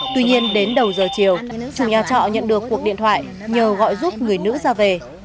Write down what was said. tuy nhiên đến đầu giờ chiều chủ nhà trọ nhận được cuộc điện thoại nhờ gọi giúp người nữ ra về